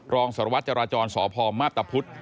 รองสารวัตรจราจรสพมาพตะพุธ